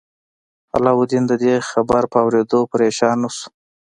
علاوالدین د دې خبر په اوریدو پریشان نه شو.